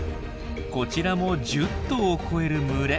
こちらも１０頭を超える群れ。